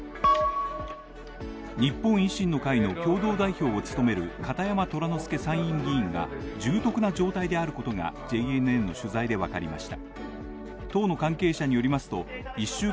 日本維新の会の共同代表を務める片山虎之介参院議員が重篤な状態であることが全員への取材でわかりました。